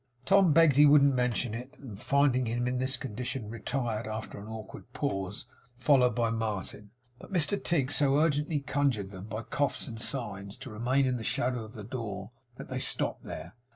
Tom begged he wouldn't mention it; and finding him in this condition, retired, after an awkward pause, followed by Martin. But Mr Tigg so urgently conjured them, by coughs and signs, to remain in the shadow of the door, that they stopped there.